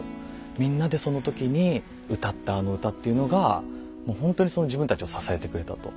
みんなでその時に歌ったあの歌っていうのがもうほんとに自分たちを支えてくれたと。